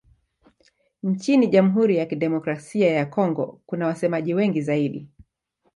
Nchini Jamhuri ya Kidemokrasia ya Kongo kuna wasemaji wengi zaidi.